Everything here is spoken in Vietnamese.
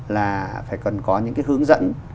là phải cần có những cái hướng dẫn